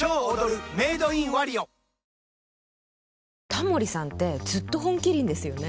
タモリさんってずっと「本麒麟」ですよね。